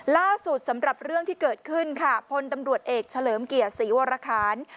ล่าสุดสำหรับเรื่องที่เกิดขึ้นค่ะพลตำรวจเอกเฉลิมเกียรติศรีวรคาร